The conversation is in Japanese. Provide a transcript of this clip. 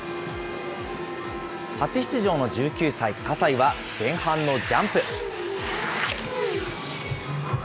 初出場の１９歳、葛西は前半のジャンプ。